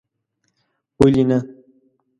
ولي نه